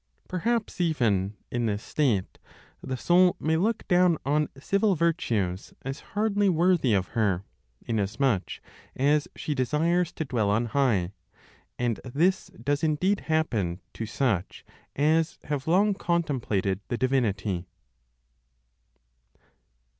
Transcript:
Perhaps even, in this state, the soul may look down on civil virtues as hardly worthy of her, inasmuch as she desires to dwell on high; and this does indeed happen to such as have long contemplated the divinity.